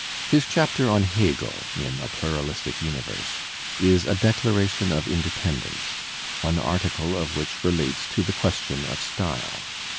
His chapter on Hegel in A Pluralistic Universe" is a declaration of inde pendence, one article of which relates to the question of style.